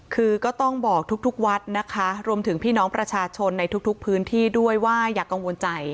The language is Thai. คือก็ต้องบอกทุกวัดนะคะรวมถึงพี่น้องประชาชนในทุกพื้นที่ด้วยว่าอย่ากังวลใจ